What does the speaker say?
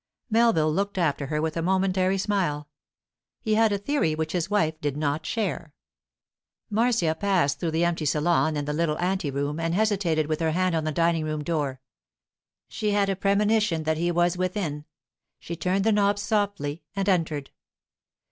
Melville looked after her with a momentary smile. He had a theory which his wife did not share. Marcia passed through the empty salon and the little ante room, and hesitated with her hand on the dining room door. She had a premonition that he was within; she turned the knob softly and entered.